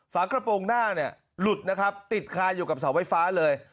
ฝากระโปรงหน้าเนี่ยหลุดนะครับติดคาอยู่กับเสาไฟฟ้าเลย